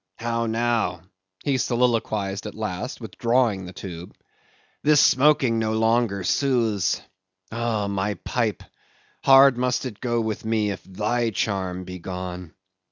"How now," he soliloquized at last, withdrawing the tube, "this smoking no longer soothes. Oh, my pipe! hard must it go with me if thy charm be gone!